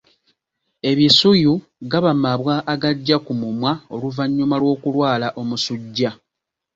Ebisuyu gaba mabwa agajja ku mumwa oluvannyuma lw’okulwala omusujja.